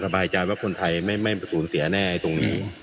ขอบใจว่าคนไทยไม่ไม่ประสูรเสียแน่ตรงนี้